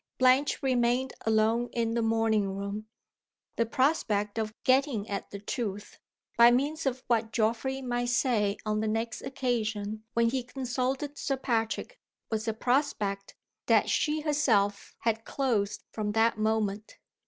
Blanche remained alone in the morning room. The prospect of getting at the truth, by means of what Geoffrey might say on the next occasion when he consulted Sir Patrick, was a prospect that she herself had closed from that moment.